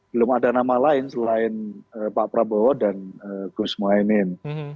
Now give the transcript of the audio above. belum ada nama lain selain pak prabowo dan gus mohaimin